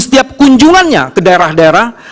setiap kunjungannya ke daerah daerah